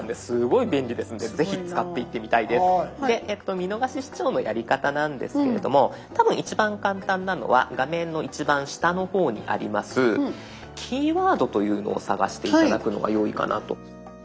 見逃し視聴のやり方なんですけれども多分一番簡単なのは画面の一番下の方にあります「キーワード」というのを探して頂くのがよいかなと。